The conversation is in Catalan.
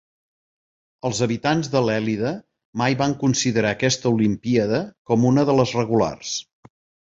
Els habitants de l'Èlide mai van considerar aquesta olimpíada com una de les regulars.